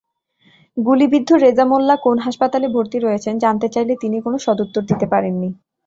গুলিবিদ্ধ রেজা মোল্লা কোন হাসপাতালে ভর্তি রয়েছেন—জানতে চাইলে তিনি কোনো সদুত্তর দিতে পারেননি।